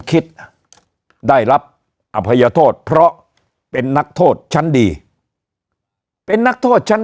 คิดได้รับอภัยโทษเพราะเป็นนักโทษชั้นดีเป็นนักโทษชั้น